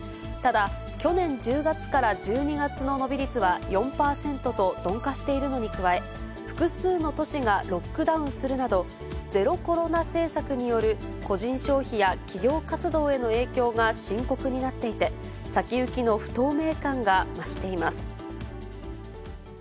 ただ、去年１０月から１２月の伸び率は４％と、鈍化しているのに加え、複数の都市がロックダウンするなど、ゼロコロナ政策による個人消費や企業活動への影響が深刻になっていて、先行きの不透明感が増しています。